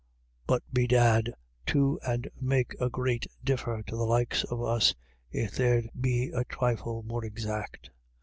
" But bedad 'twould make a great differ to the likes of us, if they'd be a trifle more exact."